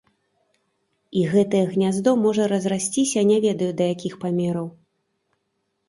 І гэтае гняздо можа разрасціся не ведаю да якіх памераў.